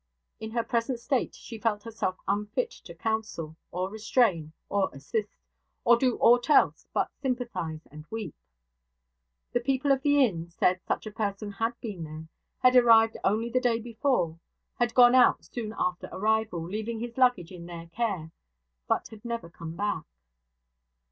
In her present state she felt herself unfit to counsel, or restrain, or assist, or do aught else but sympathize and weep. The people of the inn said such a person had been there; had arrived only the day before; had gone out soon after arrival, leaving his luggage in their care; but had never come back.